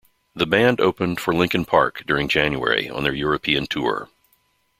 The band opened for Linkin Park during January on their European tour.